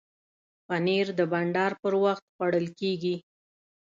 پنېر د بانډار پر وخت خوړل کېږي.